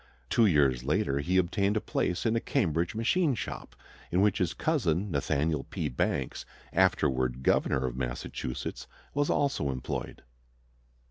Two years later he obtained a place in a Cambridge machine shop, in which his cousin, Nathaniel P. Banks, afterward governor of Massachusetts, was also employed.